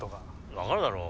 分かるだろう。